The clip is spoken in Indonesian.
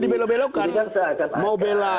dibelok belokkan mau bela